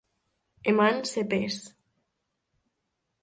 E mans e pés"